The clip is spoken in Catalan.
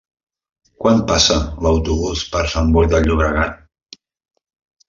Quan passa l'autobús per Sant Boi de Llobregat?